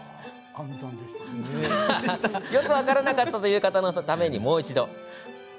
よく分からなかったという方のために、もう一度。